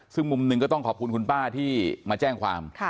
ซึ่งมุมหนึ่งก็ต้องขอบคุณคุณป้าที่มาแจ้งความ